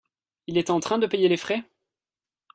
Il est en train de payer les frais ?